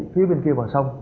phía bên kia vào sông